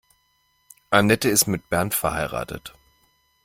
Anette ist mit Bernd verheiratet.